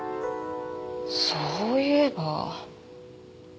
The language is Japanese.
そういえば。